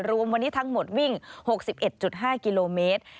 รวมวันนี้ทั้งหมดวิ่ง๖๑๕กิโลเมตร